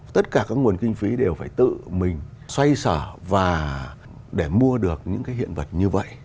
tất cả các nguồn kinh phí đều phải tự mình xoay sở và để mua được những cái hiện vật như vậy